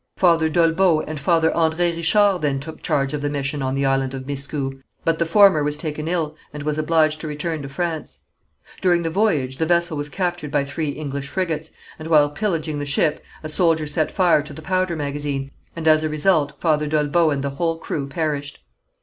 Father Dollebeau and Father André Richard then took charge of the mission on the island of Miscou, but the former was taken ill and was obliged to return to France. During the voyage the vessel was captured by three English frigates, and while pillaging the ship a soldier set fire to the powder magazine, and as a result Father Dollebeau and the whole crew perished.